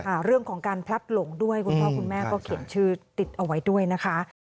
เรื่องของการพลัดหลงด้วยคุณพ่อคุณแม่ก็เขียนชื่อติดเอาไว้ด้วยนะคะ